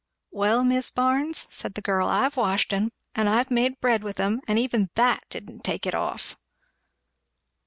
"Well Mis' Barnes!" said the girl, "I've washed 'em, and I've made bread with 'em, and even that didn't take it off!"